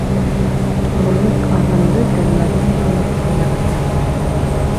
Балыҡ ағынды, тәлмәрйен тоноҡто ярата.